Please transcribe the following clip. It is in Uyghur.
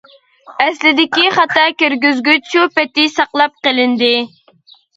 ئەسلىدىكى خاتا كىرگۈزگۈچ شۇ پېتى ساقلاپ قېلىندى.